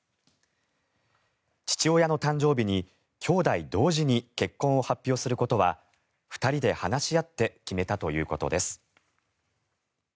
父親の誕生日に兄弟同時に結婚を発表することは２人で話し合って決めたということです。